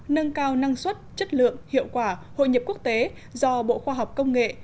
nâng cao năng suất chất lượng hiệu quả hội nhập quốc tế do bộ khoa học công nghệ